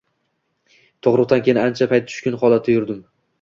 Tug`ruqdan keyin ancha payt tushkun holatda yurdim